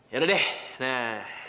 yaudah deh nah